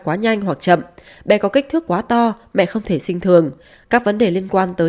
quá nhanh hoặc chậm bé có kích thước quá to mẹ không thể sinh thường các vấn đề liên quan tới